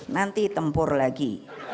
nanti tempur lagi